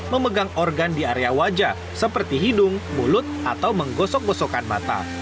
memegang organ di area wajah seperti hidung mulut atau menggosok gosokkan mata